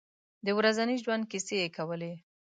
د ورځني ژوند کیسې یې کولې.